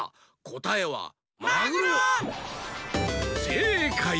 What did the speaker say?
せいかい！